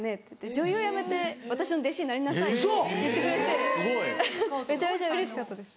女優やめて私の弟子になりなさい」って言ってくれてめちゃめちゃうれしかったです。